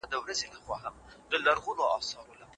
بد زړه نفرت خپروي